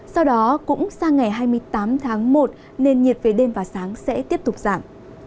sau đó cũng sang ngày hai mươi tám tháng một nền nhiệt về đêm và sáng sẽ tiếp tục giảm